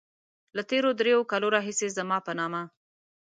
له تېرو دريو کالو راهيسې زما په نامه.